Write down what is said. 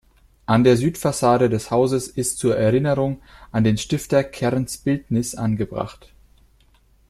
An der Südfassade des Hauses ist zur Erinnerung an den Stifter Kerns Bildnis angebracht.